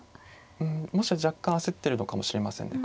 うん若干焦ってるのかもしれませんね。